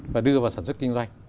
và đưa vào sản xuất kinh doanh